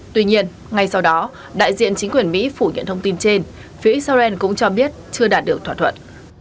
tuy nhiên ngay sau đó đại diện chính quyền mỹ phủ nhận thông tin trên phía israel cũng cho biết chưa đạt được thỏa thuận